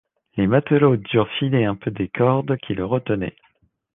Les matelots durent filer un peu des cordes qui le retenaient.